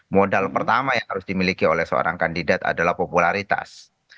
modal pertama yang harus dimiliki oleh seorang kandidat adalah popularitas